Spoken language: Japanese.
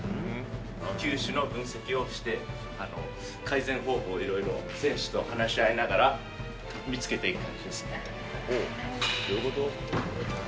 球種の分析をして、改善方法をいろいろ選手と話し合いながら、見つけていく。